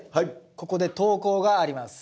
ここで投稿があります。